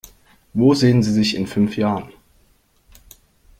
Wo sehen Sie sich in fünf Jahren?